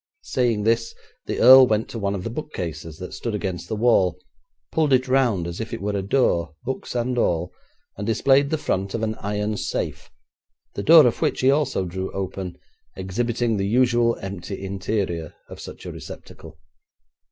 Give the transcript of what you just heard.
Saying this the earl went to one of the bookcases that stood against the wall, pulled it round as if it were a door, books and all, and displayed the front of an iron safe, the door of which he also drew open, exhibiting the usual empty interior of such a receptacle.